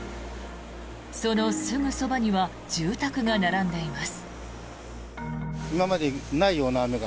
そのすぐそばには住宅が並んでいます。